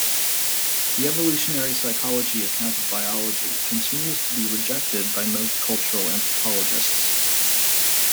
The evolutionary psychology account of biology continues to be rejected by most cultural anthropologists.